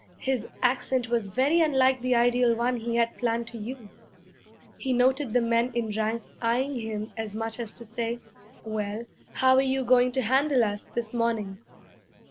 his accent was very unlike the ideal one he had planned to use. He noted the men in ranks eyeing him as much as to say, 'Well, how are you going to handle us this morning?'